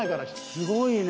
すごいね。